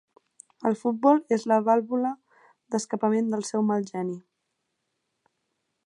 El futbol és la vàlvula d'escapament del seu mal geni.